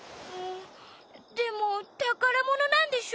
でもたからものなんでしょ？